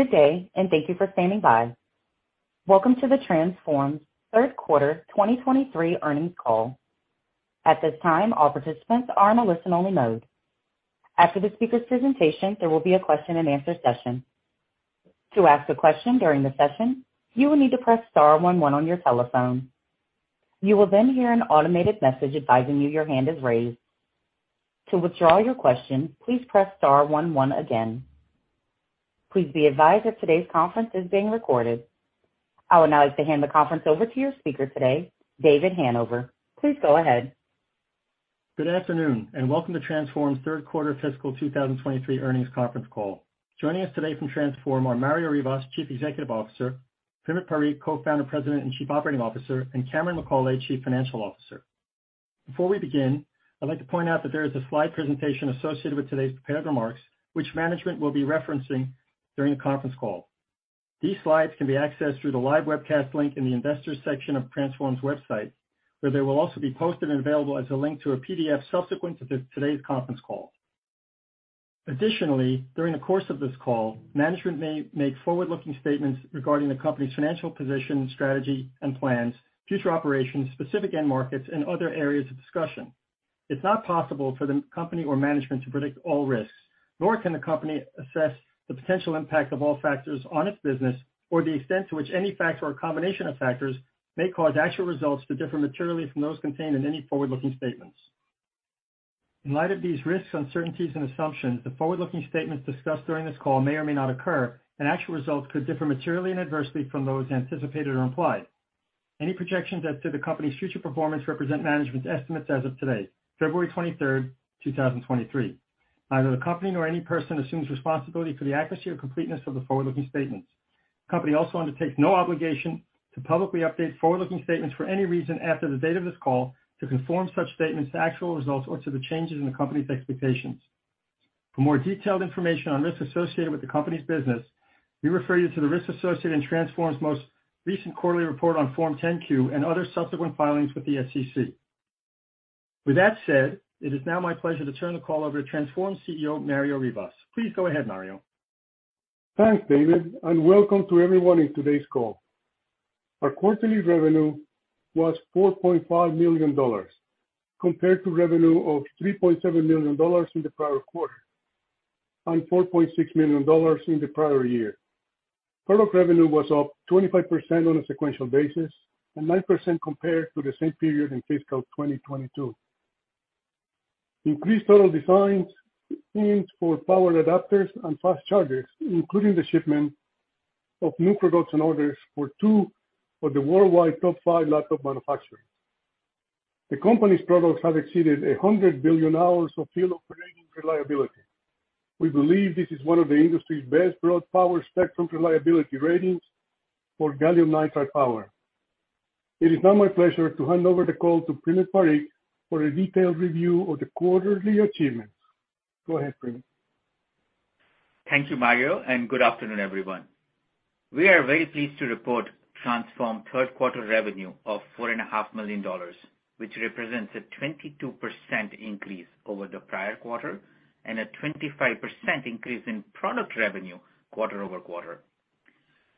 Good day, thank you for standing by. Welcome to the Transphorm third quarter 2023 earnings call. At this time, all participants are in a listen-only mode. After the speaker presentation, there will be a question-and-answer session. To ask a question during the session, you will need to press star one one on your telephone. You will then hear an automated message advising you your hand is raised. To withdraw your question, please press star one one again. Please be advised that today's conference is being recorded. I would now like to hand the conference over to your speaker today, David Hanover. Please go ahead. Good afternoon and welcome to Transphorm third quarter fiscal 2023 earnings conference call. Joining us today from Transphorm are Mario Rivas, Chief Executive Officer; Primit Parikh, Co-founder, President, and Chief Operating Officer; and Cameron McAulay, Chief Financial Officer. Before we begin, I'd like to point out that there is a slide presentation associated with today's prepared remarks, which management will be referencing during the conference call. These slides can be accessed through the live webcast link in the investors section of Transphorm's website, where they will also be posted and available as a link to a PDF subsequent to this, today's conference call. Additionally, during the course of this call, management may make forward-looking statements regarding the company's financial position, strategy and plans, future operations, specific end markets, and other areas of discussion. It's not possible for the company or management to predict all risks, nor can the company assess the potential impact of all factors on its business or the extent to which any factor or combination of factors may cause actual results to differ materially from those contained in any forward-looking statements. In light of these risks, uncertainties, and assumptions, the forward-looking statements discussed during this call may or may not occur, and actual results could differ materially and adversely from those anticipated or implied. Any projections as to the company's future performance represent management's estimates as of today, February 23rd, 2023. Neither the company nor any person assumes responsibility for the accuracy or completeness of the forward-looking statements. The company also undertakes no obligation to publicly update forward-looking statements for any reason after the date of this call to conform such statements to actual results or to the changes in the company's expectations. For more detailed information on risks associated with the company's business, we refer you to the risks associated in Transphorm's most recent quarterly report on Form 10-Q and other subsequent filings with the SEC. With that said, it is now my pleasure to turn the call over to Transphorm CEO, Mario Rivas. Please go ahead, Mario. Thanks, David. Welcome to everyone in today's call. Our quarterly revenue was $4.5 million compared to revenue of $3.7 million in the prior quarter and $4.6 million in the prior year. Product revenue was up 25% on a sequential basis and 9% compared to the same period in fiscal 2022. Increased total designs, wins for power adapters and fast chargers, including the shipment of new production orders for two of the worldwide top five laptop manufacturers. The company's products have exceeded 100 billion hours of field operating reliability. We believe this is one of the industry's best broad power spectrum reliability ratings for gallium nitride power. It is now my pleasure to hand over the call to Primit Parikh for a detailed review of the quarterly achievements. Go ahead, Primit. Thank you, Mario, and good afternoon, everyone. We are very pleased to report Transphorm third quarter revenue of four and a half million dollars, which represents a 22% increase over the prior quarter and a 25% increase in product revenue quarter-over-quarter.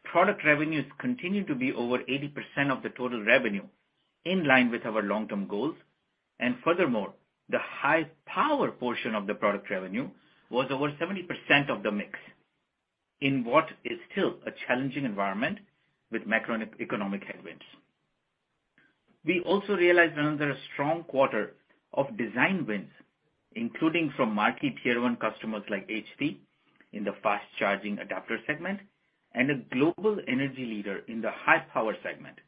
Product revenues continue to be over 80% of the total revenue, in line with our long-term goals. Furthermore, the high power portion of the product revenue was over 70% of the mix in what is still a challenging environment with macroeconomic headwinds. We also realized another strong quarter of design wins, including from marquee tier one customers like HP in the fast charging adapter segment and a global energy leader in the high-power segment.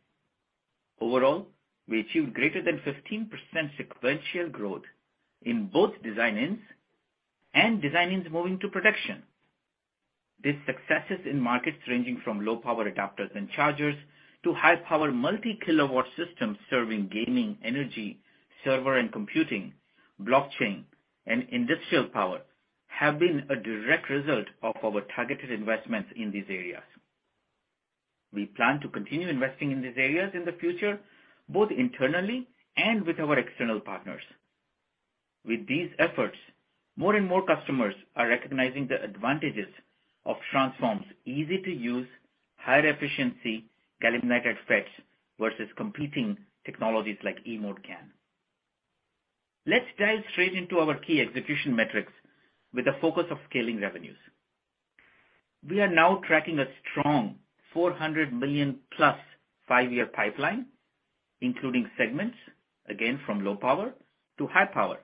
Overall, we achieved greater than 15% sequential growth in both design wins and designs moving to production. These successes in markets ranging from low power adapters and chargers to high-power multi-kilowatt systems serving gaming, energy, server and computing, blockchain, and industrial power have been a direct result of our targeted investments in these areas. We plan to continue investing in these areas in the future, both internally and with our external partners. With these efforts, more and more customers are recognizing the advantages of Transphorm's easy-to-use, higher efficiency gallium nitride specs versus competing technologies like e-mode GaN. Let's dive straight into our key execution metrics with the focus of scaling revenues. We are now tracking a strong $400+ million five-year pipeline, including segments again from low power to high power,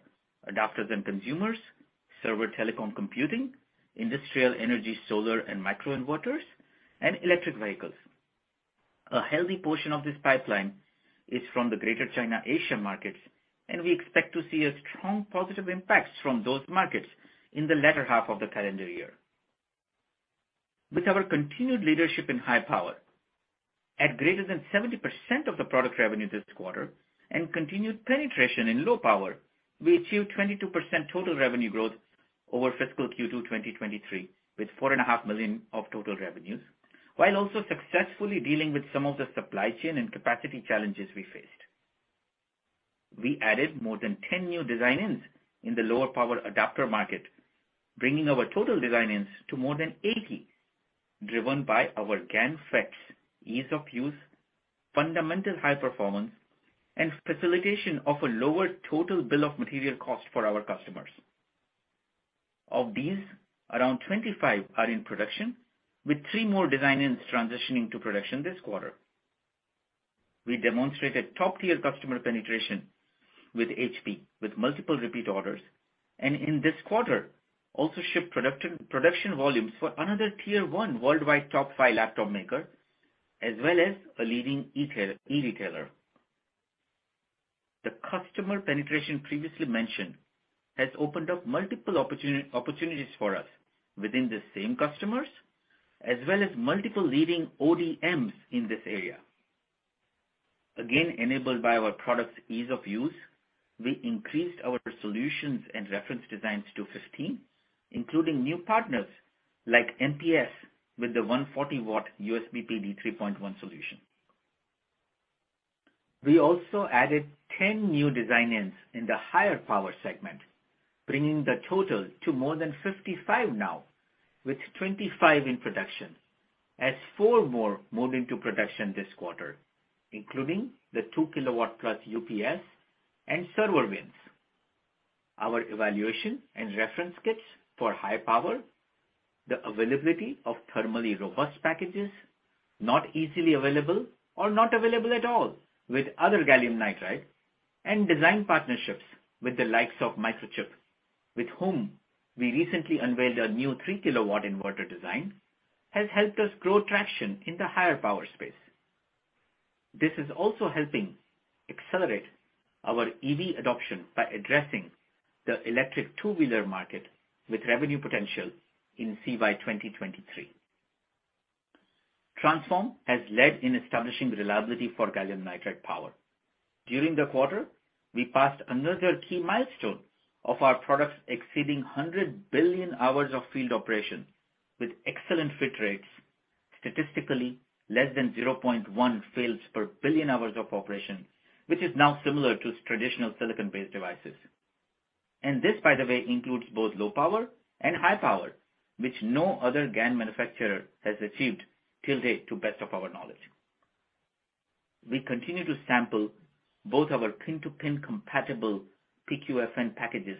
adapters and consumers, server telecom computing, industrial energy, solar and microinverters, and electric vehicles. A healthy portion of this pipeline is from the Greater China Asia markets. We expect to see a strong positive impact from those markets in the latter half of the calendar year. With our continued leadership in high power at greater than 70% of the product revenue this quarter and continued penetration in low power, we achieved 22% total revenue growth over fiscal Q2 2023, with $four and a half million of total revenues, while also successfully dealing with some of the supply chain and capacity challenges we faced. We added more than 10 new design-ins in the lower power adapter market, bringing our total design-ins to more than 80, driven by our GaN FETs, ease of use, fundamental high performance, and facilitation of a lower total bill of material cost for our customers. Of these, around 25 are in production, with three more design-ins transitioning to production this quarter. We demonstrated top-tier customer penetration with HP, with multiple repeat orders, and in this quarter also shipped production volumes for another tier one worldwide top five laptop maker, as well as a leading e-tailer. The customer penetration previously mentioned has opened up multiple opportunities for us within the same customers, as well as multiple leading ODMs in this area. Again, enabled by our product's ease of use, we increased our solutions and reference designs to 15, including new partners like MPS with the 140 W USB PD 3.1 solution. We also added 10 new design-ins in the higher power segment, bringing the total to more than 55 now, with 25 in production, as four more moved into production this quarter, including the 2 kW plus UPS and server wins. Our evaluation and reference kits for high power, the availability of thermally robust packages, not easily available or not available at all with other gallium nitride, and design partnerships with the likes of Microchip, with whom we recently unveiled our new 3 kW inverter design, has helped us grow traction in the higher power space. This is also helping accelerate our EV adoption by addressing the electric two-wheeler market with revenue potential in CY 2023. Transphorm has led in establishing reliability for gallium nitride power. During the quarter, we passed another key milestone of our products exceeding 100 billion hours of field operation with excellent FIT rates, statistically less than 0.1 fails per billion hours of operation, which is now similar to traditional silicon-based devices. This, by the way, includes both low power and high power, which no other GaN manufacturer has achieved till date, to best of our knowledge. We continue to sample both our pin-to-pin compatible PQFN packages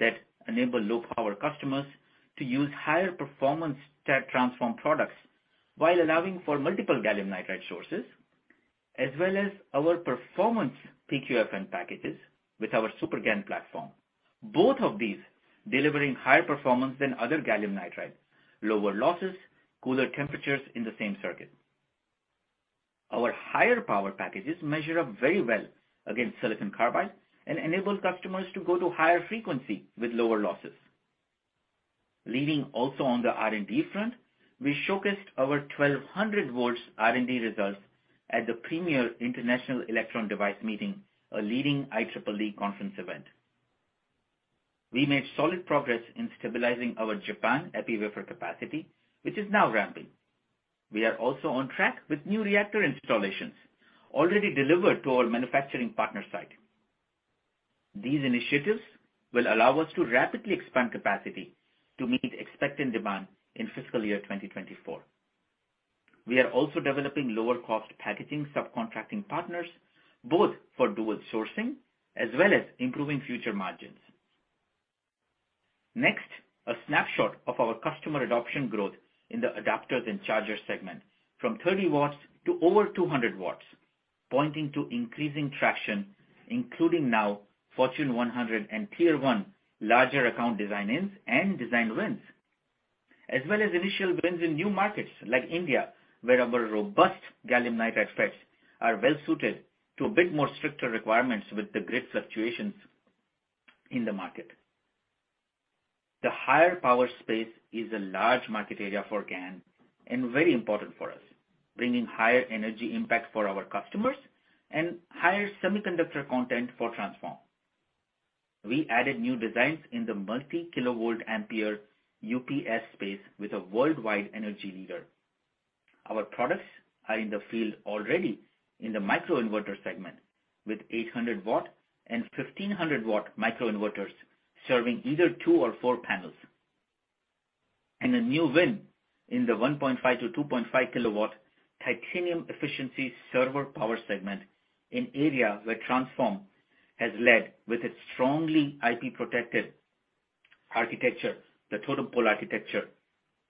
that enable low power customers to use higher performance Transphorm products while allowing for multiple gallium nitride sources, as well as our performance PQFN packages with our SuperGaN platform, both of these delivering higher performance than other gallium nitride, lower losses, cooler temperatures in the same circuit. Our higher power packages measure up very well against silicon carbide and enable customers to go to higher frequency with lower losses. Leading also on the R&D front, we showcased our 1,200 V R&D results at the premier International Electron Devices Meeting, a leading IEEE conference event. We made solid progress in stabilizing our Japan epi wafer capacity, which is now ramping. We are also on track with new reactor installations already delivered to our manufacturing partner site. These initiatives will allow us to rapidly expand capacity to meet expected demand in fiscal year 2024. We are also developing lower cost packaging subcontracting partners, both for dual sourcing as well as improving future margins. Next, a snapshot of our customer adoption growth in the adapters and chargers segment from 30 W to over 200 W, pointing to increasing traction, including now Fortune 100 and Tier 1 larger account design-ins and design wins, as well as initial wins in new markets like India, where our robust gallium nitride FETs are well suited to a bit more stricter requirements with the grid fluctuations in the market. The higher power space is a large market area for GaN and very important for us, bringing higher energy impact for our customers and higher semiconductor content for Transphorm. We added new designs in the multi-kilovolt-ampere UPS space with a worldwide energy leader. Our products are in the field already in the microinverter segment, with 800 W and 1,500 W microinverters serving either two or four panels. A new win in the 1.5-2.5 kW Titanium efficiency server power segment, an area where Transphorm has led with its strongly IP-protected architecture, the totem-pole architecture,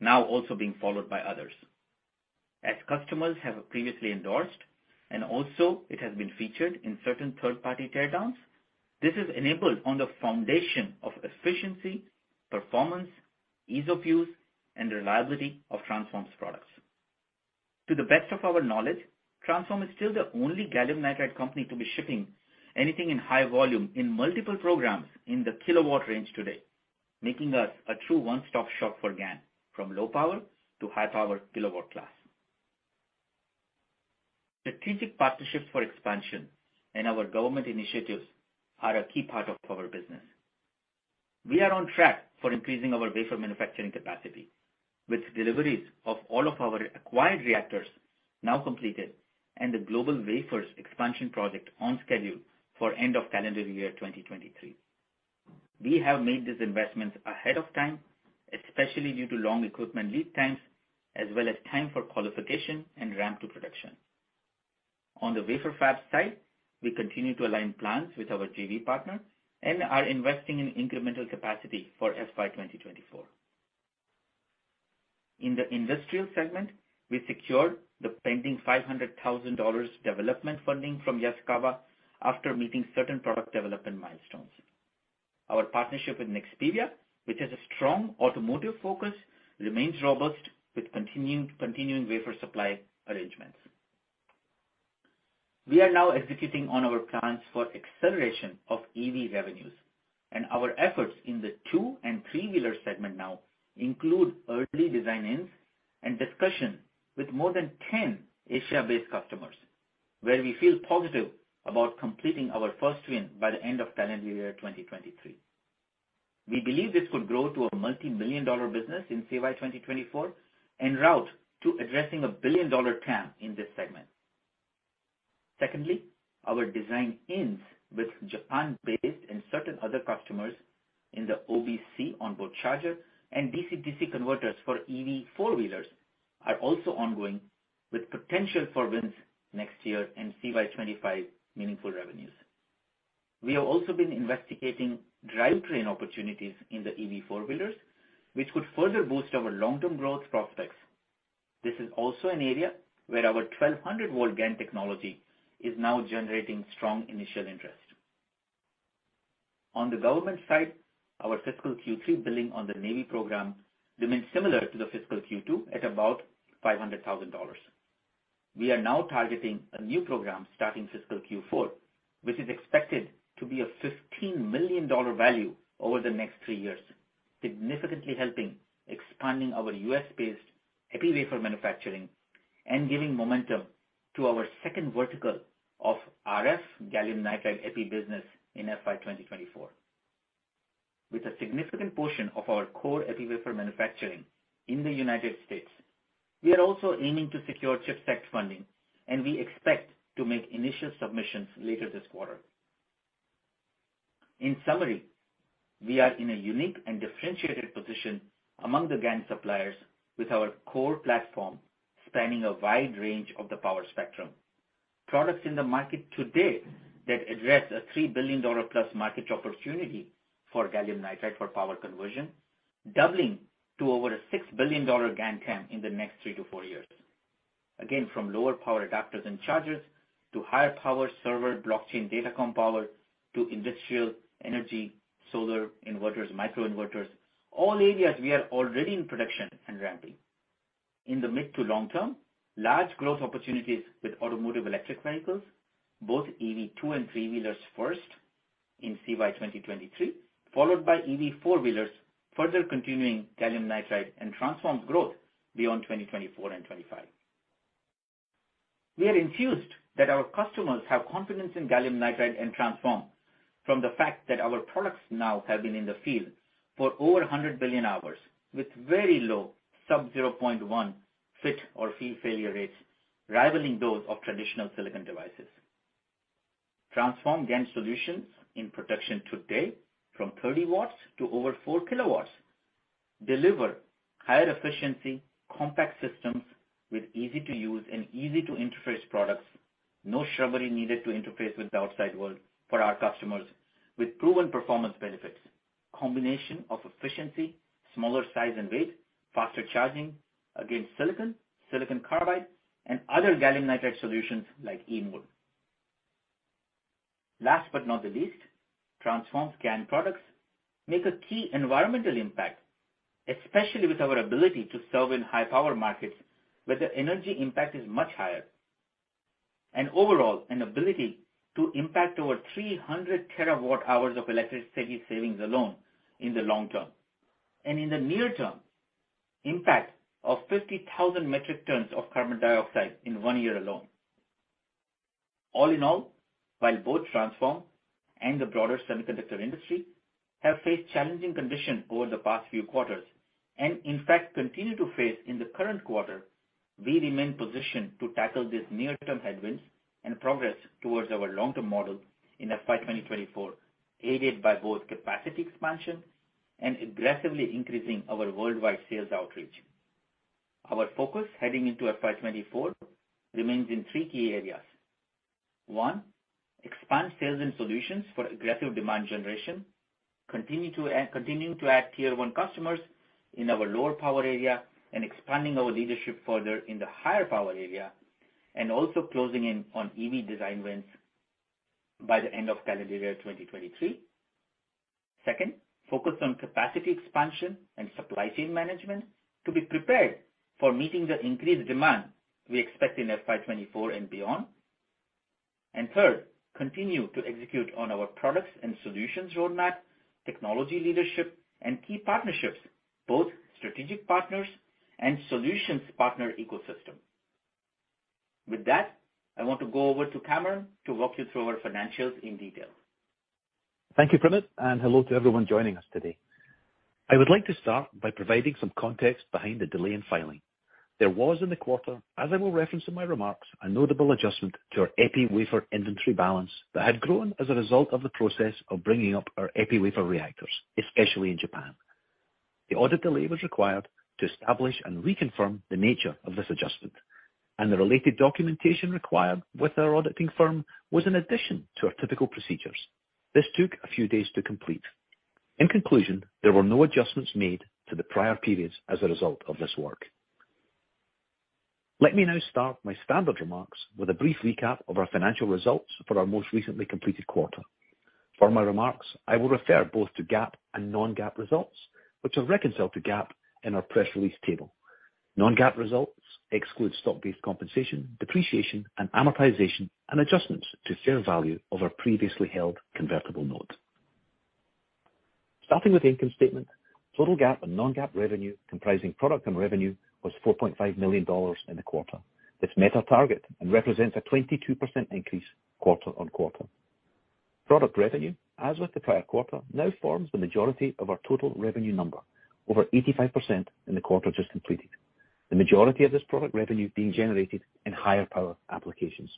now also being followed by others. As customers have previously endorsed, and also it has been featured in certain third-party teardowns, this is enabled on the foundation of efficiency, performance, ease of use, and reliability of Transphorm's products. To the best of our knowledge, Transphorm is still the only gallium nitride company to be shipping anything in high volume in multiple programs in the kilowatt range today, making us a true one-stop shop for GaN, from low power to high power kilowatt class. Strategic partnerships for expansion and our government initiatives are a key part of our business. We are on track for increasing our wafer manufacturing capacity, with deliveries of all of our acquired reactors now completed and the GlobalWafers expansion project on schedule for end of calendar year 2023. We have made these investments ahead of time, especially due to long equipment lead times, as well as time for qualification and ramp to production. On the wafer fab side, we continue to align plans with our JV partner and are investing in incremental capacity for FY 2024. In the industrial segment, we secured the pending $500,000 development funding from Yaskawa after meeting certain product development milestones. Our partnership with Nexperia, which has a strong automotive focus, remains robust with continuing wafer supply arrangements. We are now executing on our plans for acceleration of EV revenues, and our efforts in the two and three-wheeler segment now include early design-ins and discussion with more than 10 Asia-based customers, where we feel positive about completing our first win by the end of calendar year 2023. We believe this could grow to a multi-million dollar business in CY 2024 en route to addressing a billion-dollar TAM in this segment. Secondly, our design-ins with Japan-based and certain other customers in the OBC onboard charger and DC-DC converters for EV four-wheelers are also ongoing, with potential for wins next year in CY 2025 meaningful revenues. We have also been investigating drivetrain opportunities in the EV four-wheelers, which could further boost our long-term growth prospects. This is also an area where our 1,200 W GaN technology is now generating strong initial interest. On the government side, our fiscal Q3 billing on the Navy program remains similar to the fiscal Q2 at about $500,000. We are now targeting a new program starting fiscal Q4, which is expected to be a $15 million value over the next three years, significantly helping expanding our U.S.-based epi wafer manufacturing and giving momentum to our second vertical of RF gallium nitride epi business in FY 2024. With a significant portion of our core epi wafer manufacturing in the United States, we are also aiming to secure CHIPS Act funding. We expect to make initial submissions later this quarter. In summary, we are in a unique and differentiated position among the GaN suppliers with our core platform spanning a wide range of the power spectrum. Products in the market today that address a $3 billion plus market opportunity for gallium nitride for power conversion, doubling to over a $6 billion GaN TAM in the next three to four years. From lower power adapters and chargers to higher power server, blockchain, datacom power to industrial energy, solar inverters, microinverters, all areas we are already in production and ramping. In the mid to long term, large growth opportunities with automotive electric vehicles, both EV two and three-wheelers first in CY 2023, followed by EV four-wheelers, further continuing gallium nitride and Transphorm growth beyond 2024 and 2025. We are enthused that our customers have confidence in gallium nitride and Transphorm from the fact that our products now have been in the field for over 100 billion hours with very low, sub 0.1 FIT or field failure rates rivaling those of traditional silicon devices. Transphorm GaN solutions in production today from 30 W to over 4 kW deliver higher efficiency, compact systems with easy-to-use and easy-to-interface products. No snubber needed to interface with the outside world for our customers with proven performance benefits. Combination of efficiency, smaller size and weight, faster charging against silicon carbide and other gallium nitride solutions like e-mode. Last but not the least, Transphorm's GaN products make a key environmental impact, especially with our ability to serve in high power markets, where the energy impact is much higher. Overall, an ability to impact over 300 TWh of electricity savings alone in the long term. In the near term, impact of 50,000 metric tons of carbon dioxide in one year alone. Overall, while both Transphorm and the broader semiconductor industry have faced challenging conditions over the past few quarters, and in fact continue to face in the current quarter, we remain positioned to tackle these near-term headwinds and progress towards our long-term model in FY 2024, aided by both capacity expansion and aggressively increasing our worldwide sales outreach. Our focus heading into FY 2024 remains in three key areas. One, expand sales and solutions for aggressive demand generation, continuing to add tier one customers in our lower power area and expanding our leadership further in the higher power area, also closing in on EV design wins by the end of calendar year 2023. Second, focus on capacity expansion and supply chain management to be prepared for meeting the increased demand we expect in FY 2024 and beyond. Third, continue to execute on our products and solutions roadmap, technology leadership and key partnerships, both strategic partners and solutions partner ecosystem. With that, I want to go over to Cameron to walk you through our financials in detail. Thank you, Primit. Hello to everyone joining us today. I would like to start by providing some context behind the delay in filing. There was in the quarter, as I will reference in my remarks, a notable adjustment to our epi wafer inventory balance that had grown as a result of the process of bringing up our epi wafer reactors, especially in Japan. The auditor labor is required to establish and reconfirm the nature of this adjustment, and the related documentation required with our auditing firm was an addition to our typical procedures. This took a few days to complete. In conclusion, there were no adjustments made to the prior periods as a result of this work. Let me now start my standard remarks with a brief recap of our financial results for our most recently completed quarter. For my remarks, I will refer both to GAAP and non-GAAP results, which are reconciled to GAAP in our press release table. Non-GAAP results exclude stock-based compensation, depreciation, and amortization, and adjustments to share value of our previously held convertible note. Starting with the income statement, total GAAP and non-GAAP revenue comprising product and revenue, was $4.5 million in the quarter. This met our target and represents a 22% increase quarter-over-quarter. Product revenue, as with the prior quarter, now forms the majority of our total revenue number. Over 85% in the quarter just completed. The majority of this product revenue being generated in higher power applications.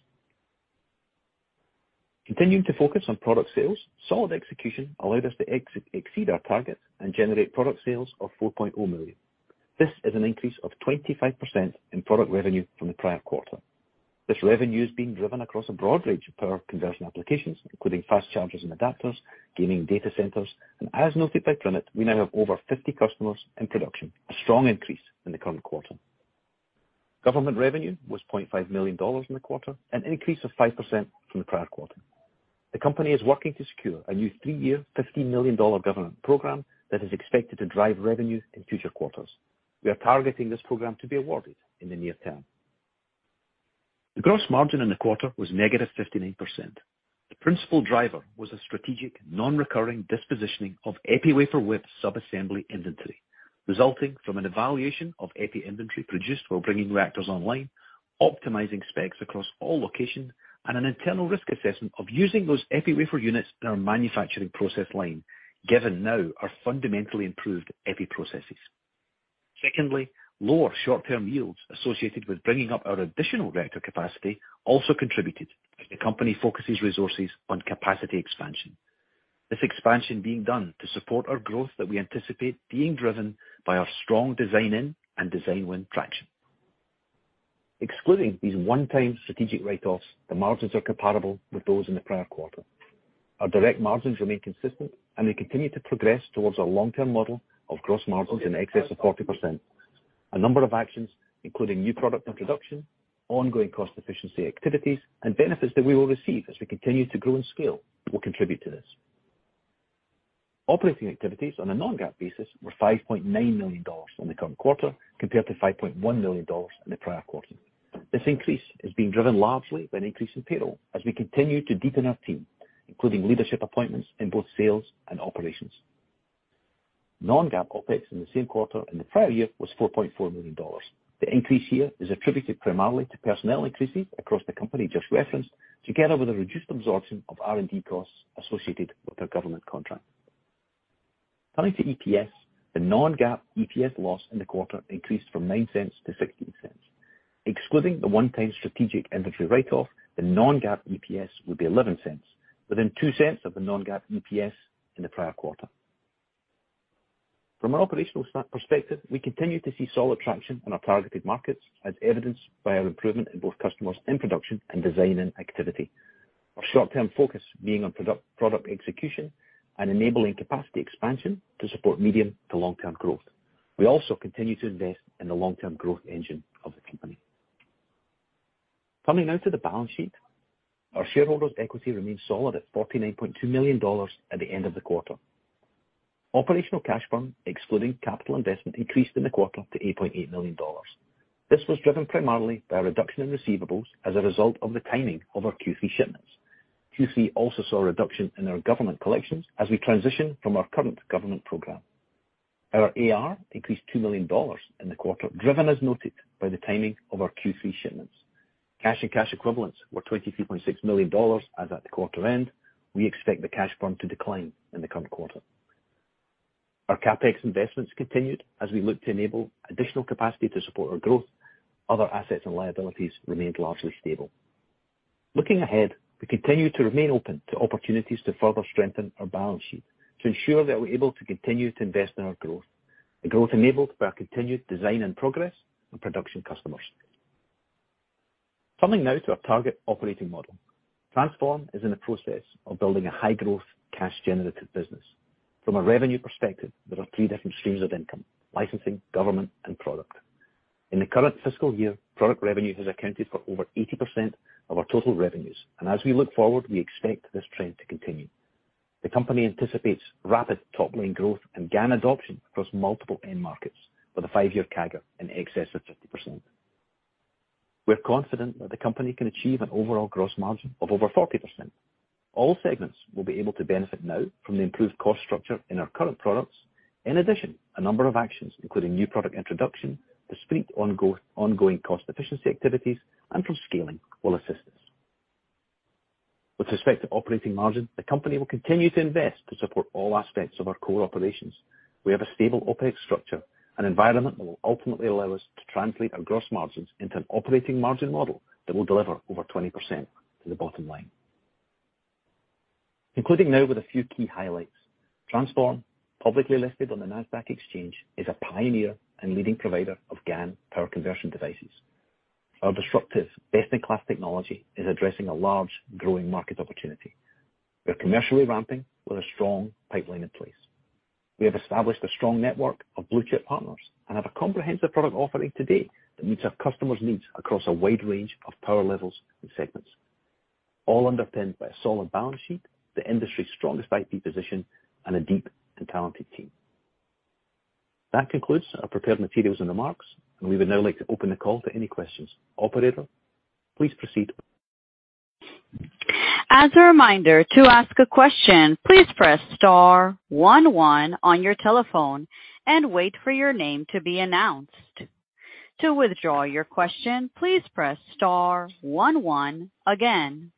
Continuing to focus on product sales, solid execution allowed us to exceed our targets and generate product sales of $4.0 million. This is an increase of 25% in product revenue from the prior quarter. This revenue is being driven across a broad range of power conversion applications, including fast chargers and adapters, gaming data centers, and as noted by Primit, we now have over 50 customers in production. A strong increase in the current quarter. Government revenue was $0.5 million in the quarter, an increase of 5% from the prior quarter. The company is working to secure a new three-year, $50 million government program that is expected to drive revenue in future quarters. We are targeting this program to be awarded in the near term. The gross margin in the quarter was -59%. The principal driver was a strategic non-recurring dispositioning of epi wafer with sub-assembly inventory, resulting from an evaluation of epi inventory produced while bringing reactors online, optimizing specs across all locations, and an internal risk assessment of using those epi wafer units in our manufacturing process line, given now our fundamentally improved epi processes. Secondly, lower short-term yields associated with bringing up our additional reactor capacity also contributed as the company focuses resources on capacity expansion. This expansion being done to support our growth that we anticipate being driven by our strong design in and design win traction. Excluding these one-time strategic write-offs, the margins are comparable with those in the prior quarter. Our direct margins remain consistent and they continue to progress towards a long-term model of gross margins in excess of 40%. A number of actions, including new product introduction, ongoing cost efficiency activities, and benefits that we will receive as we continue to grow and scale, will contribute to this. Operating activities on a non-GAAP basis were $5.9 million in the current quarter compared to $5.1 million in the prior quarter. This increase is being driven largely by an increase in payroll as we continue to deepen our team, including leadership appointments in both sales and operations. Non-GAAP OpEx in the same quarter and the prior year was $4.4 million. The increase here is attributed primarily to personnel increases across the company just referenced, together with a reduced absorption of R&D costs associated with our government contract. Turning to EPS, the non-GAAP EPS loss in the quarter increased from $0.09 to $0.16. Excluding the one-time strategic inventory write-off, the non-GAAP EPS would be $0.11 within $0.02 of the non-GAAP EPS in the prior quarter. From an operational snap perspective, we continue to see solid traction in our targeted markets as evidenced by our improvement in both customers and production and design and activity. Our short-term focus being on product execution and enabling capacity expansion to support medium to long term growth. We also continue to invest in the long-term growth engine of the company. Coming now to the balance sheet. Our shareholders' equity remains solid at $49.2 million at the end of the quarter. Operational cash burn, excluding capital investment, increased in the quarter to $8.8 million. This was driven primarily by a reduction in receivables as a result of the timing of our Q3 shipments. Q3 also saw a reduction in our government collections as we transition from our current government program. Our AR increased $2 million in the quarter, driven as noted by the timing of our Q3 shipments. Cash and cash equivalents were $23.6 million as at the quarter end. We expect the cash burn to decline in the current quarter. Our CapEx investments continued as we look to enable additional capacity to support our growth. Other assets and liabilities remained largely stable. Looking ahead, we continue to remain open to opportunities to further strengthen our balance sheet to ensure that we're able to continue to invest in our growth. The growth enabled by our continued design and progress and production customers. Coming now to our target operating model. Transphorm is in the process of building a high-growth, cash-generative business. From a revenue perspective, there are three different streams of income: licensing, government, and product. In the current fiscal year, product revenue has accounted for over 80% of our total revenues. As we look forward, we expect this trend to continue. The company anticipates rapid top-line growth and GaN adoption across multiple end markets with a five-year CAGR in excess of 50%. We're confident that the company can achieve an overall gross margin of over 40%. All segments will be able to benefit now from the improved cost structure in our current products. A number of actions, including new product introduction, discrete ongoing cost efficiency activities, and from scaling will assist us. With respect to operating margin, the company will continue to invest to support all aspects of our core operations. We have a stable OpEx structure, an environment that will ultimately allow us to translate our gross margins into an operating margin model that will deliver over 20% to the bottom line. Concluding now with a few key highlights. Transphorm, publicly listed on the Nasdaq exchange, is a pioneer and leading provider of GaN power conversion devices. Our disruptive best-in-class technology is addressing a large growing market opportunity. We are commercially ramping with a strong pipeline in place. We have established a strong network of blue chip partners and have a comprehensive product offering today that meets our customers' needs across a wide range of power levels and segments, all underpinned by a solid balance sheet, the industry's strongest IP position, and a deep and talented team. That concludes our prepared materials and remarks. We would now like to open the call to any questions. Operator, please proceed. As a reminder, to ask a question, please press star one one on your telephone and wait for your name to be announced. To withdraw your question, please press star one one again.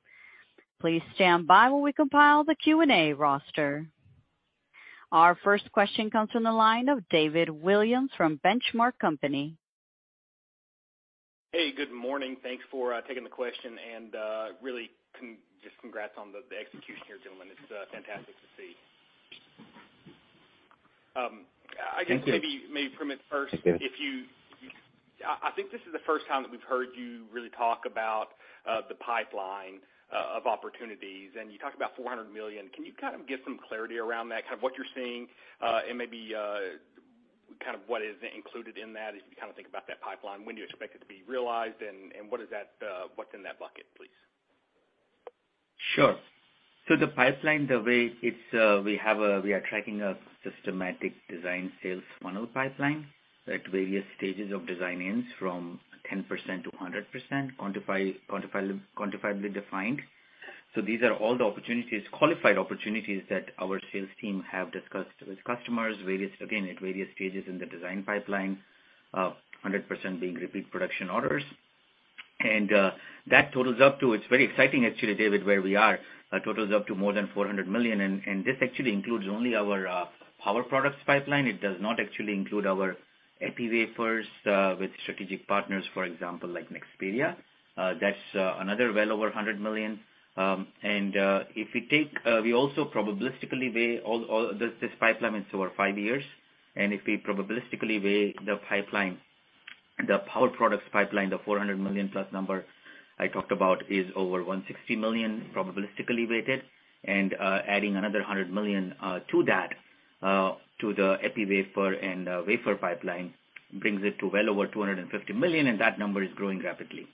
Please stand by while we compile the Q&A roster. Our first question comes from the line of David Williams from Benchmark Company. Hey, good morning. Thanks for taking the question. Really just congrats on the execution here, gentlemen. It's fantastic to see. I guess maybe Primit first. Thank you. I think this is the first time that we've heard you really talk about the pipeline of opportunities, and you talked about $400 million. Can you kind of give some clarity around that, kind of what you're seeing, and maybe, kind of what is included in that as you kind of think about that pipeline? When do you expect it to be realized, and what is that, what's in that bucket, please? The pipeline, the way it's, we are tracking a systematic design sales funnel pipeline at various stages of design-ins from 10%-100% quantifiably defined. These are all the opportunities, qualified opportunities that our sales team have discussed with customers, at various stages in the design pipeline, 100% being repeat production orders. It's very exciting actually, David, where we are. It totals up to more than $400 million, and this actually includes only our power products pipeline. It does not actually include our epi wafers with strategic partners, for example, like Nexperia. That's another well over $100 million. If we take, we also probabilistically weigh all this pipeline is over five years. If we probabilistically weigh the pipeline, the power products pipeline, the $400+ million number I talked about is over $160 million probabilistically weighted. Adding another $100 million to that, to the epi wafer and wafer pipeline brings it to well over $250 million, and that number is growing rapidly.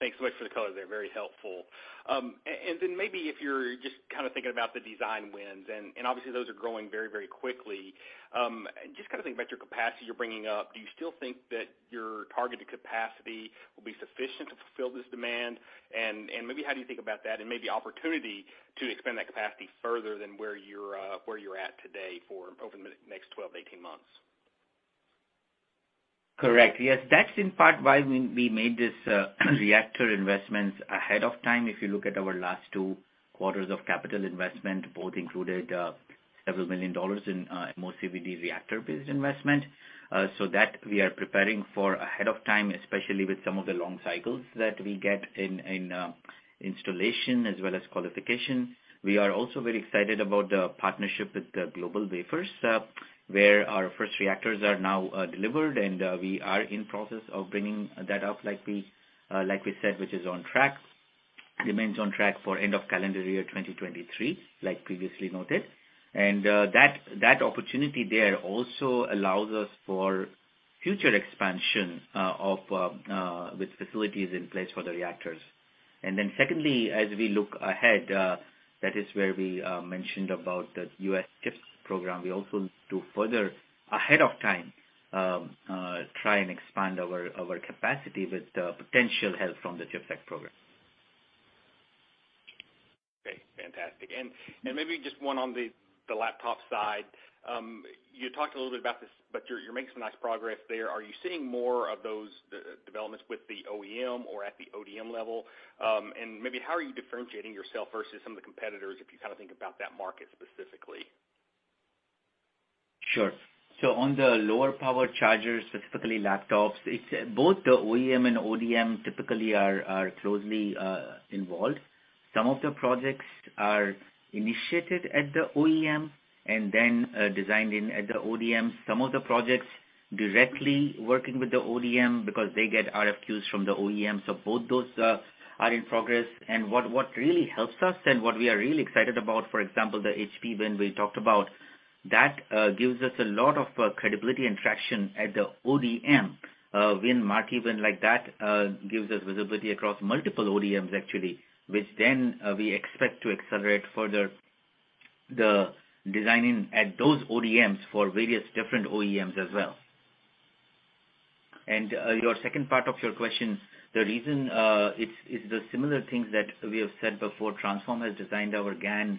Thanks so much for the color there. Very helpful. Maybe if you're just kind of thinking about the design wins and obviously those are growing very, very quickly. Just kind of thinking about your capacity you're bringing up, do you still think that your targeted capacity will be sufficient to fulfill this demand? Maybe how do you think about that and maybe opportunity to expand that capacity further than where you're at today for over the next 12-18 months? Correct. Yes. That's in part why we made this reactor investments ahead of time. If you look at our last 2 quarters of capital investment, both included several million dollars in MOCVD reactor-based investment. We are preparing for ahead of time, especially with some of the long cycles that we get in installation as well as qualification. We are also very excited about the partnership with GlobalWafers, where our first reactors are now delivered, and we are in process of bringing that up like we said, which is on track. Remains on track for end of calendar year 2023, like previously noted. That opportunity there also allows us for future expansion of with facilities in place for the reactors. Secondly, as we look ahead, that is where we mentioned about the U.S. CHIPS program. We also to further ahead of time, try and expand our capacity with the potential help from the CHIPS Act program. Okay, fantastic. Maybe just one on the laptop side. You talked a little bit about this, but you're making some nice progress there. Are you seeing more of those developments with the OEM or at the ODM level? Maybe how are you differentiating yourself versus some of the competitors if you kind of think about that market specifically? Sure. On the lower power chargers, specifically laptops, it's both the OEM and ODM typically are closely involved. Some of the projects are initiated at the OEM and then designed in at the ODM. Some of the projects directly working with the ODM because they get RFQs from the OEM. Both those are in progress. What really helps us and what we are really excited about, for example, the HP win we talked about, that gives us a lot of credibility and traction at the ODM. Win even like that gives us visibility across multiple ODMs actually, which then we expect to accelerate further the designing at those ODMs for various different OEMs as well. Your second part of your question, the reason, it's the similar things that we have said before. Transphorm has designed our GaN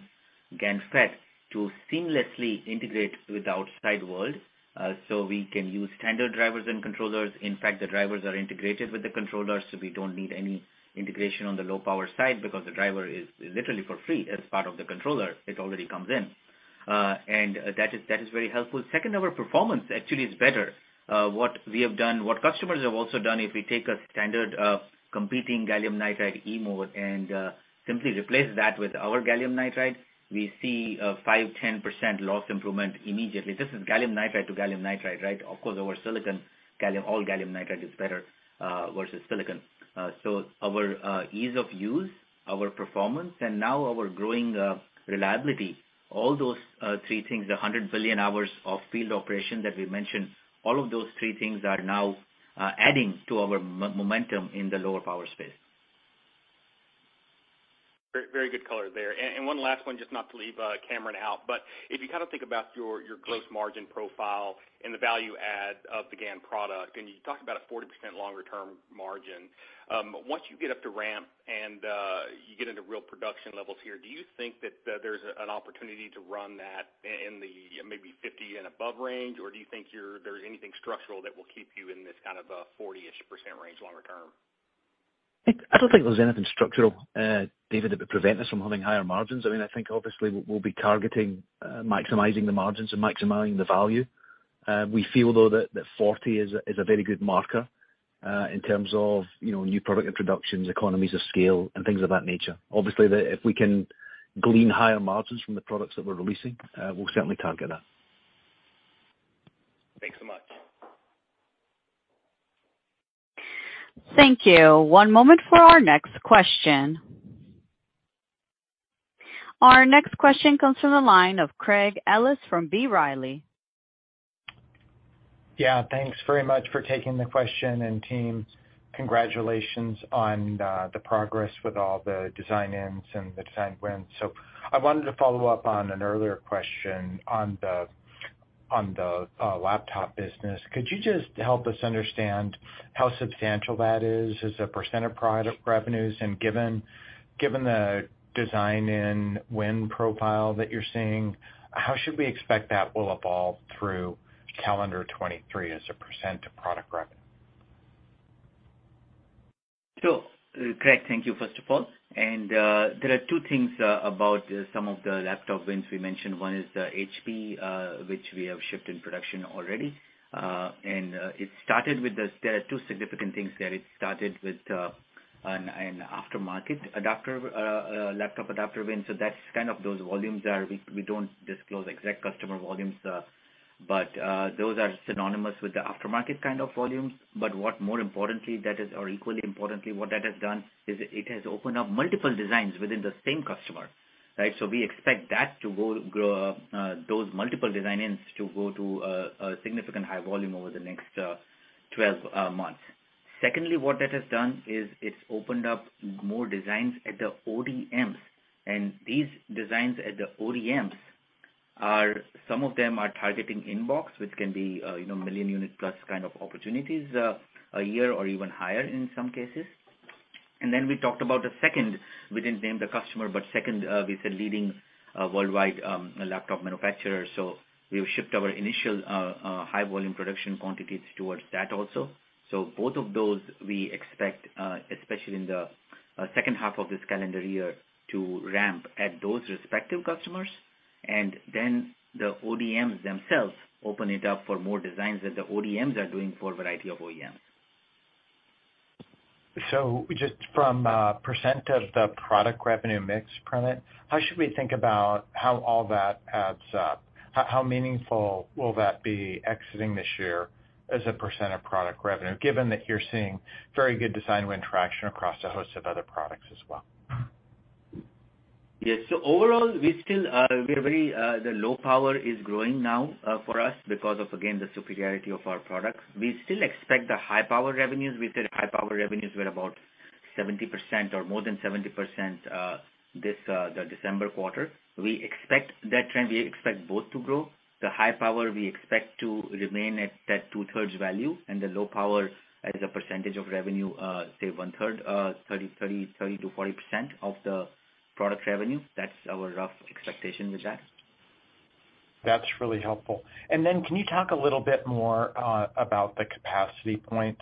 FET to seamlessly integrate with the outside world, so we can use standard drivers and controllers. In fact, the drivers are integrated with the controllers, so we don't need any integration on the low power side because the driver is literally for free as part of the controller. It already comes in. That is very helpful. Second, our performance actually is better. What we have done, what customers have also done, if we take a standard competing gallium nitride e-mode and simply replace that with our gallium nitride, we see a 5%-10% loss improvement immediately. This is gallium nitride to gallium nitride, right? Of course, all gallium nitride is better versus silicon. Our ease of use, our performance, and now our growing reliability, all those three things, the 100 billion hours of field operation that we mentioned, all of those three things are now adding to our momentum in the lower power space. Very good color there. One last one, just not to leave Cameron out, but if you kind of think about your gross margin profile and the value add of the GaN product, and you talked about a 40% longer term margin, once you get up to ramp and you get into real production levels here, do you think that there's an opportunity to run that in the maybe 50 and above range? Or do you think you're, there's anything structural that will keep you in this kind of 40-ish percent range longer term? I don't think there's anything structural, David, that would prevent us from having higher margins. I mean, I think obviously we'll be targeting maximizing the margins and maximizing the value. We feel though that 40 is a very good marker in terms of, you know, new product introductions, economies of scale and things of that nature. Obviously, if we can glean higher margins from the products that we're releasing, we'll certainly target that. Thanks so much. Thank you. One moment for our next question. Our next question comes from the line of Craig Ellis from B. Riley. Yeah, thanks very much for taking the question, team, congratulations on the progress with all the design-ins and the design wins. I wanted to follow up on an earlier question on the laptop business. Could you just help us understand how substantial that is as a percentage of product revenues? Given the design and win profile that you're seeing, how should we expect that will evolve through calendar 2023 as a percentage of product revenue? Craig, thank you, first of all. There are two things about some of the laptop wins we mentioned. One is the HP, which we have shipped in production already. It started with there are two significant things there. It started with an aftermarket adapter, laptop adapter win, so that's kind of those volumes are we don't disclose exact customer volumes, but those are synonymous with the aftermarket kind of volumes. What more importantly that is, or equally importantly, what that has done is it has opened up multiple designs within the same customer, right? We expect that to go grow, those multiple design-ins to go to, a significant high volume over the next 12 months. Secondly, what that has done is it's opened up more designs at the ODMs, and these designs at the ODMs are, some of them are targeting inbox, which can be, you know, million unit plus kind of opportunities a year or even higher in some cases. We talked about a second, we didn't name the customer, but second, we said leading, worldwide, laptop manufacturer. We have shipped our initial, high volume production quantities towards that also. Both of those we expect, especially in the second half of this calendar year, to ramp at those respective customers. The ODMs themselves open it up for more designs that the ODMs are doing for a variety of OEMs. Just from percentage of the product revenue mix, Primit, how should we think about how all that adds up? How meaningful will that be exiting this year as a percentage of product revenue, given that you're seeing very good design win traction across a host of other products as well? Yes. Overall, we still, we are very, the low power is growing now for us because of, again, the superiority of our products. We still expect the high-power revenues. We said high-power revenues were about 70% or more than 70% this the December quarter. We expect that trend. We expect both to grow. The high power we expect to remain at two-thirds value, and the low power as a percentage of revenue, say one-third, 30-40% of the product revenue. That's our rough expectation with that. That's really helpful. Can you talk a little bit more about the capacity point?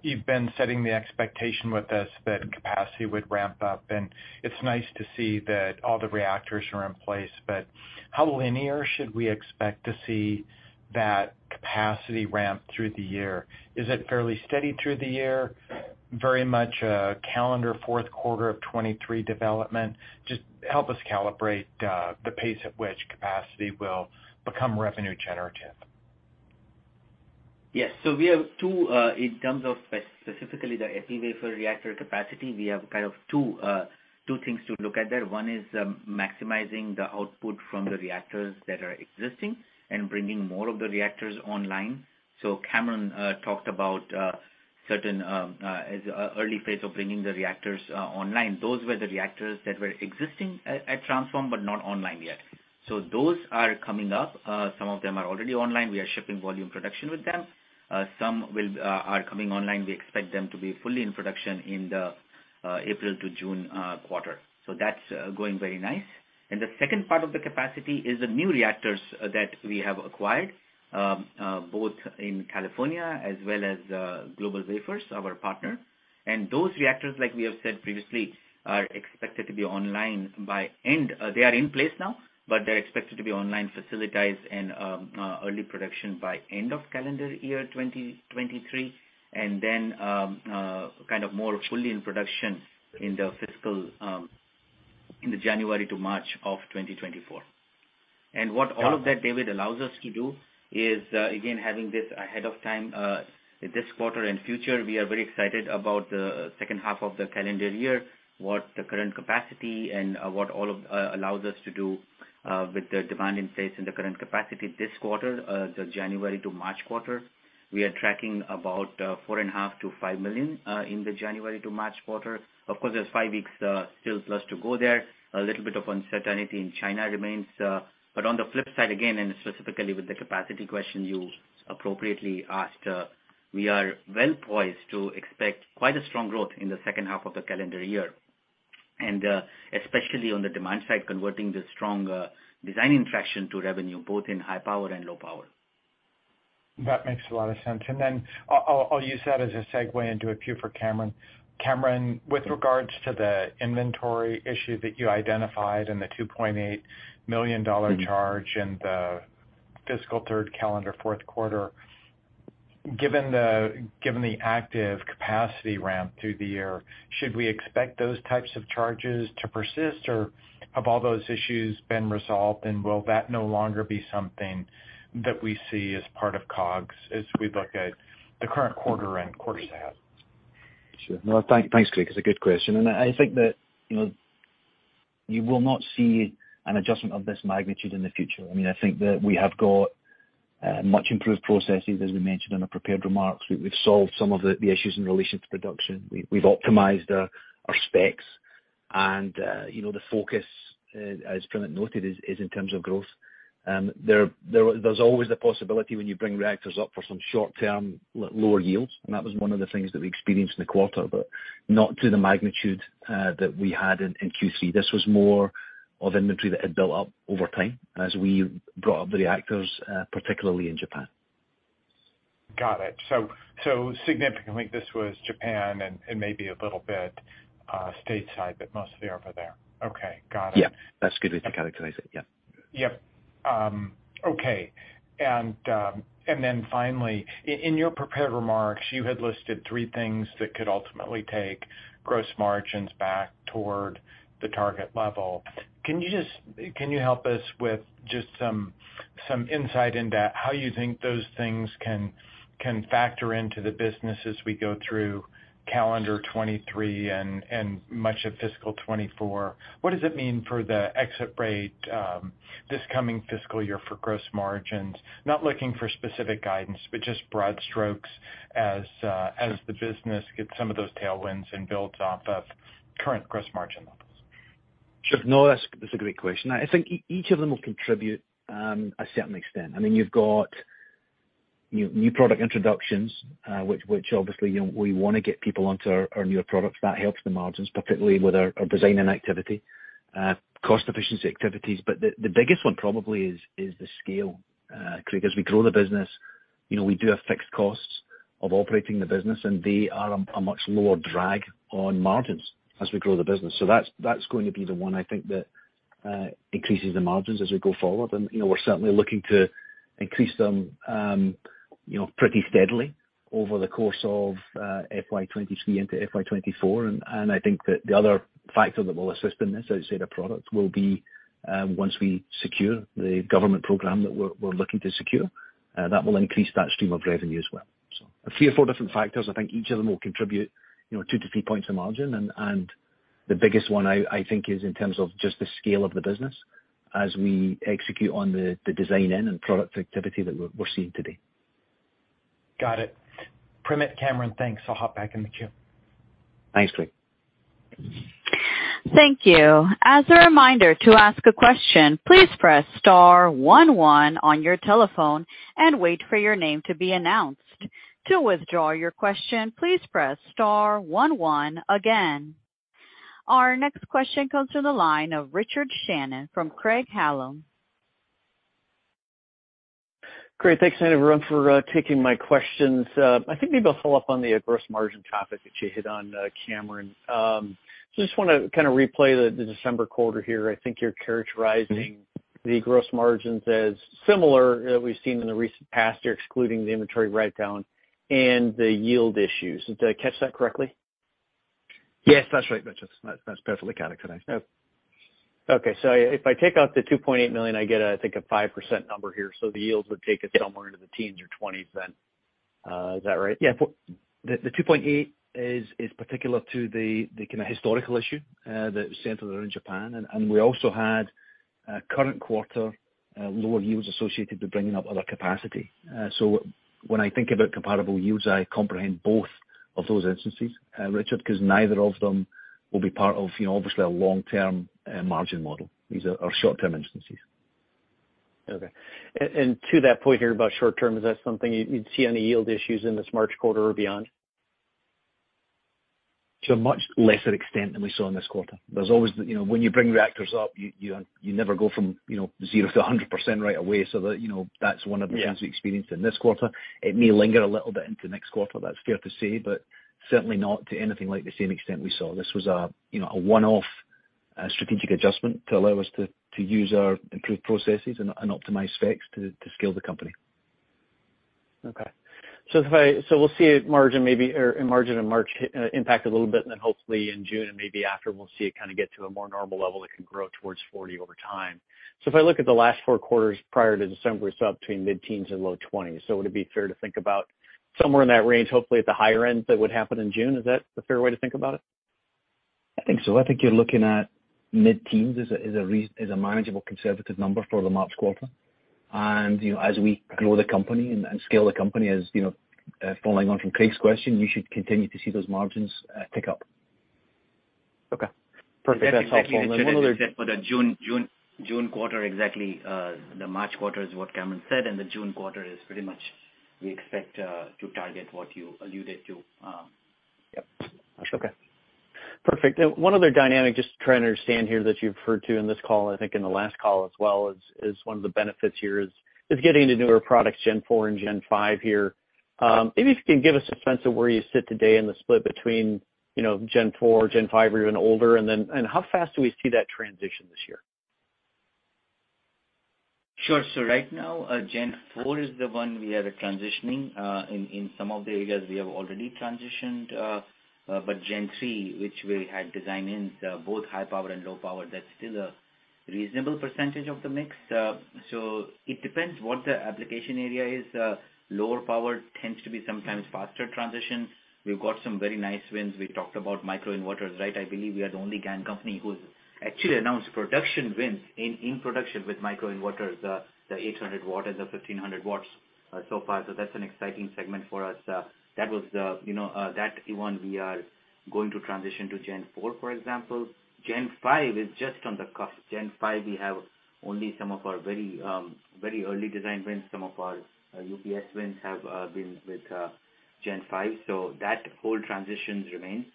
You've been setting the expectation with us that capacity would ramp up, and it's nice to see that all the reactors are in place. How linear should we expect to see that capacity ramp through the year? Is it fairly steady through the year? Very much a calendar Q4 2023 development? Just help us calibrate the pace at which capacity will become revenue generative. We have two, in terms of specifically the epi wafer reactor capacity, we have kind of two things to look at there. One is, maximizing the output from the reactors that are existing and bringing more of the reactors online. Cameron talked about as early phase of bringing the reactors online. Those were the reactors that were existing at Transphorm but not online yet. Those are coming up. Some of them are already online. We are shipping volume production with them. Some are coming online. We expect them to be fully in production in the April to June quarter. That's going very nice. The second part of the capacity is the new reactors that we have acquired, both in California as well as GlobalWafers, our partner. Those reactors, like we have said previously, are expected to be online. They are in place now, but they're expected to be online, facilitate, and early production by end of calendar year 2023. Kind of more fully in production in the fiscal in the January to March of 2024. What all of that, David, allows us to do is, again, having this ahead of time, this quarter and future, we are very excited about the second half of the calendar year, what the current capacity allows us to do, with the demand in place and the current capacity this quarter, the January to March quarter. We are tracking about $4.5 million-$5 million in the January to March quarter. Of course, there's five weeks still left to go there. A little bit of uncertainty in China remains. On the flip side, again, and specifically with the capacity question you appropriately asked, we are well poised to expect quite a strong growth in the second half of the calendar year. Especially on the demand side, converting the strong design interaction to revenue, both in high power and low power. That makes a lot of sense. Then I'll use that as a segue into a few for Cameron. Cameron, with regards to the inventory issue that you identified and the $2.8 million charge in the fiscal third calendar, fourth quarter, given the, given the active capacity ramp through the year, should we expect those types of charges to persist, or have all those issues been resolved, and will that no longer be something that we see as part of COGS as we look at the current quarter and course ahead? Sure. No, thank-thanks, Craig. It's a good question. I think that, you know, you will not see an adjustment of this magnitude in the future. I mean, I think that we have got much improved processes, as we mentioned in our prepared remarks. We've solved some of the issues in relation to production. We've optimized our specs and, you know, the focus, as Primit noted, is in terms of growth. There's always the possibility when you bring reactors up for some short-term lower yields, and that was one of the things that we experienced in the quarter, but not to the magnitude that we had in Q3. This was more of inventory that had built up over time as we brought up the reactors, particularly in Japan. Got it. Significantly, this was Japan and maybe a little bit, Stateside, but mostly over there. Okay. Got it. Yeah, that's a good way to characterize it. Yeah. Yep. Okay. Then finally, in your prepared remarks, you had listed three things that could ultimately take gross margins back toward the target level. Can you help us with just some insight into how you think those things can factor into the business as we go through calendar 2023 and much of fiscal 2024? What does it mean for the exit rate this coming fiscal year for gross margins? Not looking for specific guidance, but just broad strokes as the business gets some of those tailwinds and builds off of current gross margin levels. Sure. No, that's a great question. I think each of them will contribute a certain extent. I mean, you've got new product introductions, which obviously, you know, we wanna get people onto our newer products. That helps the margins, particularly with our design and activity, cost efficiency activities. The biggest one probably is the scale. Craig, as we grow the business, you know, we do have fixed costs of operating the business, and they are a much lower drag on margins as we grow the business. That's going to be the one I think that increases the margins as we go forward. You know, we're certainly looking to increase them, you know, pretty steadily over the course of FY 2023 into FY 2024. I think that the other factor that will assist in this outside of product will be once we secure the government program that we're looking to secure, that will increase that stream of revenue as well. A three or four different factors, I think each of them will contribute, you know, two to three points of margin. The biggest one I think is in terms of just the scale of the business as we execute on the design and product activity that we're seeing today. Got it. Primit, Cameron, thanks. I'll hop back in the queue. Thanks, Craig. Thank you. As a reminder, to ask a question, please press star one one on your telephone and wait for your name to be announced. To withdraw your question, please press star one one again. Our next question comes through the line of Richard Shannon from Craig-Hallum. Great. Thanks everyone for taking my questions. I think maybe I'll follow up on the gross margin topic that you hit on, Cameron. Just wanna kinda replay the December quarter here. I think you're characterizing the gross margins as similar as we've seen in the recent past year, excluding the inventory write down and the yield issues. Did I catch that correctly? Yes, that's right. That's perfectly characterized. Okay. If I take out the $2.8 million, I get, I think, a 5% number here. The yields would take us somewhere into the teens or 20s then. Is that right? Yeah. The 2.8 is particular to the kinda historical issue that was centered around Japan. We also had current quarter lower yields associated with bringing up other capacity. When I think about comparable yields, I comprehend both of those instances, Richard, because neither of them will be part of, you know, obviously a long-term margin model. These are short-term instances. Okay. To that point here about short term, is that something you'd see any yield issues in this March quarter or beyond? To a much lesser extent than we saw in this quarter. There's always, you know, when you bring reactors up, you never go from, you know, zero to 100% right away. That, you know, that's. Yeah... the things we experienced in this quarter. It may linger a little bit into next quarter, that's fair to say. Certainly not to anything like the same extent we saw. This was a, you know, a one-off, strategic adjustment to allow us to use our improved processes and optimize specs to scale the company. Okay. We'll see a margin maybe or a margin in March hit, impact a little bit, and then hopefully in June and maybe after, we'll see it kind of get to a more normal level that can grow towards 40% over time. If I look at the last four quarters prior to December, we saw between mid-teens and low twenties. Would it be fair to think about somewhere in that range, hopefully at the higher end that would happen in June? Is that a fair way to think about it? I think so. I think you're looking at mid-teens as a manageable conservative number for the March quarter. You know, as we grow the company and scale the company, as, you know, following on from Craig's question, you should continue to see those margins tick up. Okay. Perfect. That's helpful. One other- That's exactly what Richard said for the June quarter, exactly. The March quarter is what Cameron said, and the June quarter is pretty much we expect to target what you alluded to. Yep. Okay. Perfect. One other dynamic just trying to understand here that you've referred to in this call, and I think in the last call as well, is one of the benefits here is getting into newer products, Gen IV and Gen V here. Maybe if you can give us a sense of where you sit today in the split between, you know, Gen IV, Gen V or even older, and then, and how fast do we see that transition this year? Sure. Right now, Gen IV is the one we are transitioning. In some of the areas we have already transitioned, but Gen III, which we had designed in, both high power and low power, that's still a reasonable percentage of the mix. It depends what the application area is. Lower power tends to be sometimes faster transitions. We've got some very nice wins. We talked about micro inverters, right? I believe we are the only GaN company who's actually announced production wins in production with micro inverters, the 800 W and the 1,500 W so far. That's an exciting segment for us. You know, that one we are going to transition to Gen IV, for example. Gen V is just on the cusp. Gen V, we have only some of our very, very early design wins. Some of our UPS wins have been with Gen V. That whole transitions remains.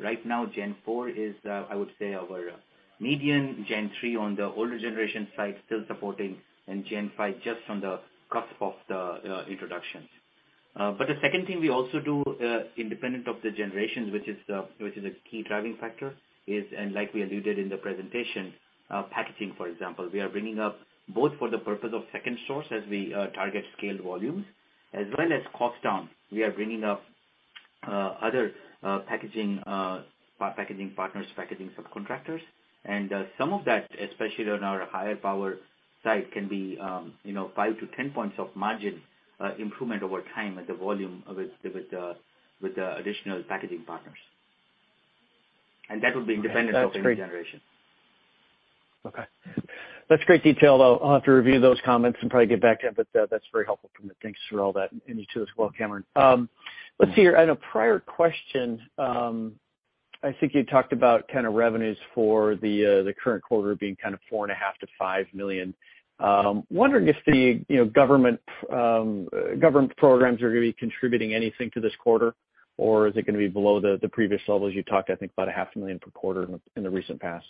Right now, Gen IV is I would say our median. Gen III on the older generation side, still supporting, and Gen V just on the cusp of the introductions. The second thing we also do, independent of the generations, which is a key driving factor, is like we alluded in the presentation, packaging, for example. We are bringing up both for the purpose of second source as we target scaled volumes, as well as cost down. We are bringing up other packaging partners, packaging subcontractors. Some of that, especially on our higher power side, can be, you know, 5 to 10 points of margin, improvement over time with the volume of it with the additional packaging partners. That would be independent of any generation. Okay. That's great detail, though. I'll have to review those comments and probably get back to you, but that's very helpful, Primit. Thanks for all that. You too as well, Cameron. Let's see here. On a prior question, I think you talked about kind of revenues for the current quarter being kind of $4.5 million-$5 million. Wondering if the, you know, government programs are gonna be contributing anything to this quarter, or is it gonna be below the previous levels you talked, I think about $0.5 million per quarter in the recent past?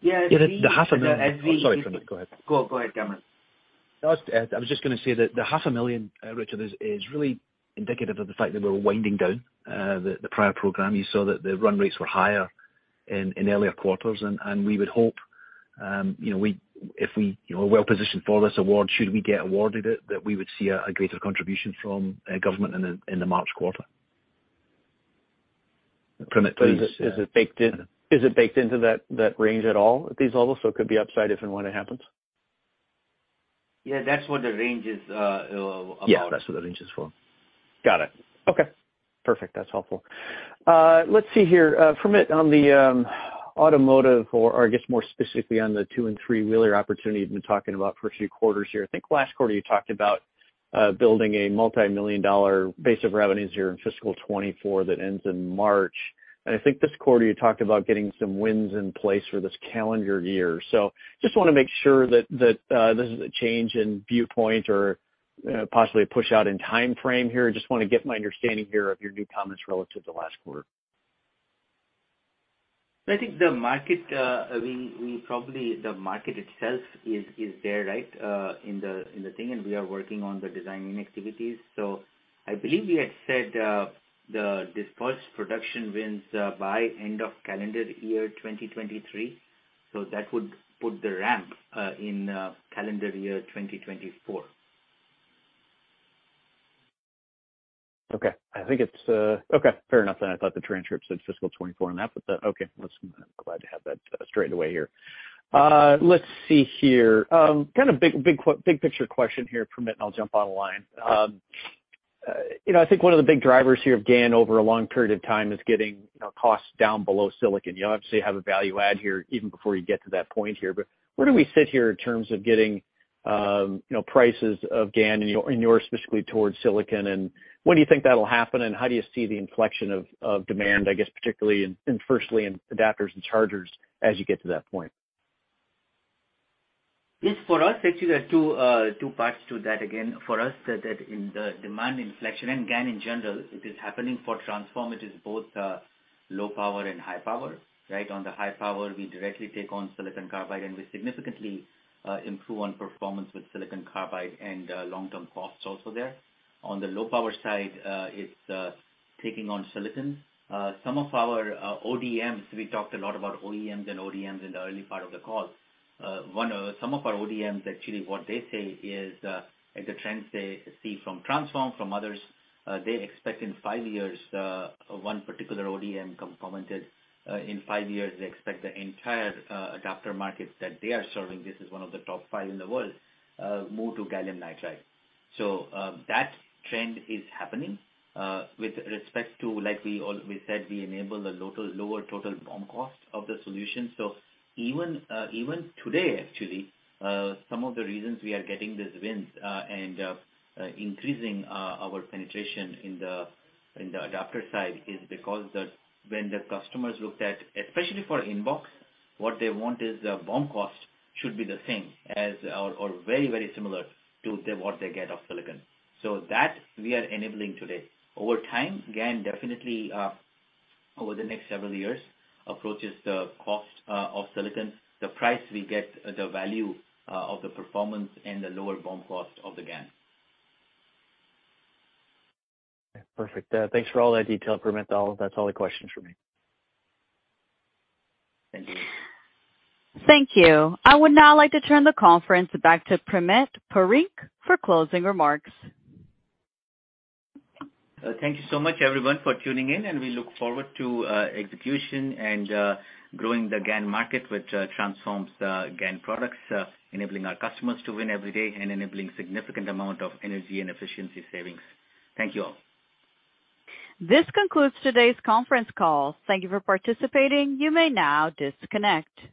Yeah. The half a million- As we- Sorry, Primit, go ahead. Go ahead, Cameron. I was just gonna say that the half a million, Richard, is really indicative of the fact that we're winding down the prior program. You saw that the run rates were higher in earlier quarters. We would hope, you know, if we, you know, are well positioned for this award, should we get awarded it, that we would see a greater contribution from government in the March quarter. Primit, please. Is it baked in? Is it baked into that range at all at these levels, so it could be upside if and when it happens? Yeah. That's what the range is about. Yeah. That's what the range is for. Got it. Okay. Perfect. That's helpful. Let's see here. Primit, on the automotive or, I guess more specifically on the two and three-wheeler opportunity you've been talking about for a few quarters here. I think last quarter you talked about building a multimillion-dollar base of revenues here in fiscal 2024 that ends in March. I think this quarter you talked about getting some wins in place for this calendar year. Just wanna make sure that this is a change in viewpoint or possibly a push-out in timeframe here? Just wanna get my understanding here of your new comments relative to last quarter. I think the market, the market itself is there, right? In the thing, we are working on the designing activities. I believe we had said the dispersed production wins by end of calendar year 2023, that would put the ramp in calendar year 2024. Okay. I think it's... Okay, fair enough. I thought the transcript said fiscal 2024 on that, okay. Listen, I'm glad to have that straightened away here. Let's see here. Kind of big picture question here, Primit, I'll jump on the line. You know, I think one of the big drivers here of GaN over a long period of time is getting, you know, costs down below silicon. You obviously have a value add here even before you get to that point here, where do we sit here in terms of getting, you know, prices of GaN in your, in your specifically towards silicon, when do you think that'll happen, how do you see the inflection of demand, I guess, particularly in firstly in adapters and chargers as you get to that point? Yes, for us, actually there are two parts to that. Again, for us, that in the demand inflection and GaN in general, it is happening for Transphorm. It is both low power and high power, right? On the high power, we directly take on silicon carbide, we significantly improve on performance with silicon carbide and long-term costs also there. On the low power side, it's taking on silicon. Some of our ODMs, we talked a lot about OEMs and ODMs in the early part of the call. Some of our ODMs, actually, what they say is, like the trends they see from Transphorm from others, they expect in five years, one particular ODM commented, in five years, they expect the entire adapter markets that they are serving, this is one of the top five in the world, move to gallium nitride. That trend is happening, with respect to, we said, we enable lower total BOM cost of the solution. Even today, actually, some of the reasons we are getting these wins, and increasing our penetration in the adapter side is because when the customers looked at, especially for inbox, what they want is the BOM cost should be the same as or very, very similar to what they get of silicon. That we are enabling today. Over time, GaN definitely, over the next several years approaches the cost, of silicon. The price we get, the value, of the performance and the lower BOM cost of the GaN. Perfect. thanks for all that detail, Primit. That's all the questions for me. Thank you. Thank you. I would now like to turn the conference back to Primit Parikh for closing remarks. Thank you so much everyone for tuning in, and we look forward to execution and growing the GaN market, which transforms the GaN products, enabling our customers to win every day and enabling significant amount of energy and efficiency savings. Thank you all. This concludes today's conference call. Thank you for participating. You may now disconnect.